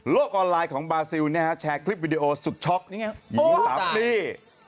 ออนไลน์ของบาซิลแชร์คลิปวิดีโอสุดช็อกหญิงสามลี่